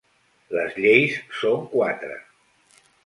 Les lleis són quatre.